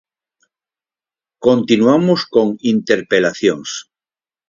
Continuamos con interpelacións.